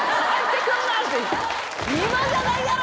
今じゃないやろ！